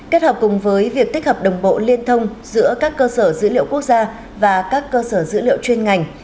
kết hợp cùng với việc tích hợp đồng bộ liên thông giữa các cơ sở dữ liệu quốc gia và các cơ sở dữ liệu chuyên ngành